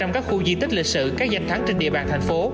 chín mươi các khu di tích lịch sử các danh thắng trên địa bàn thành phố